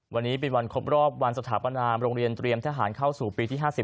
วันนี้เป็นวันครบรอบวันสถาปนามโรงเรียนเตรียมทหารเข้าสู่ปีที่๕๐